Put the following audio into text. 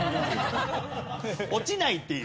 落ちないっていう。